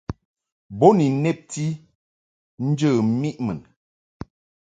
Bo ni nnebti njə miʼ mun.